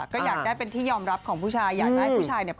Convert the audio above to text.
ก็อยากได้เป็นที่ยอมรับของผู้ชายอยากจะให้ผู้ชายเนี่ย